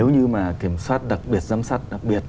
như kiểm soát đặc biệt giám sát đặc biệt